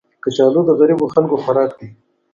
کچالو د غریبو خلکو خوراک دی